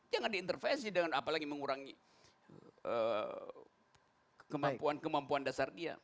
jangan diintervensi dengan apalagi mengurangi kemampuan kemampuan dasar dia